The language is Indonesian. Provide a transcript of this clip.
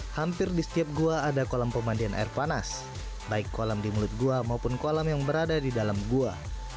hampir di setiap gua ada kolam pemandian air panas baik kolam di mulut gua maupun kolam yang berada di dalam gua